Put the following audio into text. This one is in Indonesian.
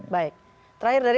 baik terakhir dari anda